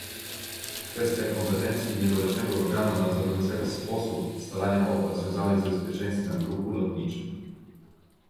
Kwestia kompetencji niezależnego organu nadzorującego sposób ustalania opłat związanych z bezpieczeństwem w ruchu lotniczym